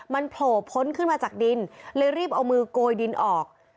มันโผล่พ้นขึ้นมาจากดินเลยรีบเอามือโกยดินออก